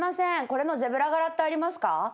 これのゼブラ柄ってありますか？